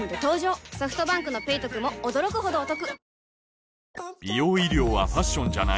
ソフトバンクの「ペイトク」も驚くほどおトク